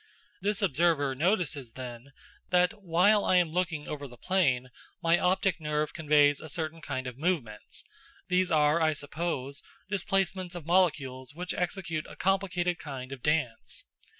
This observer notices then, that, while I am looking over the plain, my optic nerve conveys a certain kind of movements these are, I suppose, displacements of molecules which execute a complicated kind of dance.